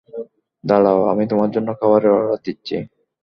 দাঁড়াও, আমি তোমার জন্য খাবারের অর্ডার দিচ্ছি।